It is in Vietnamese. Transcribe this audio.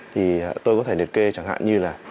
thì tôi có thể liệt kê chẳng hạn như là